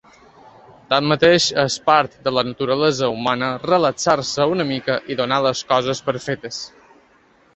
Tanmateix, és part de la naturalesa humana relaxar-se una mica i donar les coses per fetes.